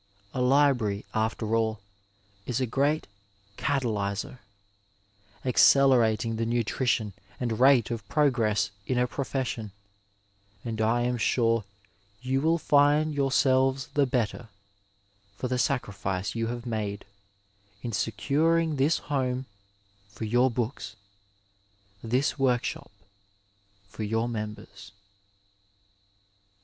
A library after all is a great catalyser, accelera ting the nutrition and rate of progress in a profession, and I am sure you will find yourselves the better for the sacri fice you have made in securing this home for your books, this workshop for your members.